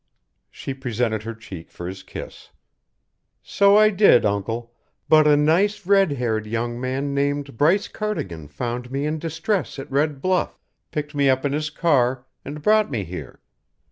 She presented her cheek for his kiss. "So I did, Uncle, but a nice red haired young man named Bryce Cardigan found me in distress at Red Bluff, picked me up in his car, and brought me here."